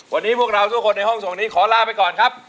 วันนี้พวกเราทุกคนในห้องส่งนี้ขอลาไปก่อนครับ